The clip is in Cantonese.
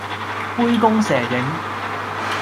杯弓蛇影